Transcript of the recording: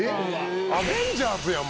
アベンジャーズやん！